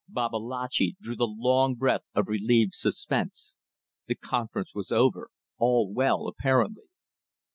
Babalatchi drew the long breath of relieved suspense. The conference was over. All well, apparently.